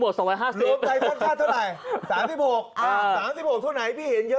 กดส่วนห้าสิบรูปไทยสร้างชาติไหน๓๖๓๖ที่ไหนพี่เยอะ